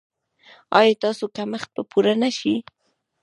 ایا ستاسو کمښت به پوره نه شي؟